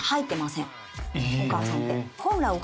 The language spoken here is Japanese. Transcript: お母さんって。